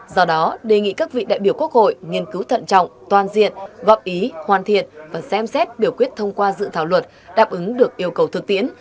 do đó đề nghị các vị đại biểu quốc hội nghiên cứu thận trọng toàn diện góp ý hoàn thiện và xem xét biểu quyết thông qua dự thảo luật đáp ứng được yêu cầu thực tiễn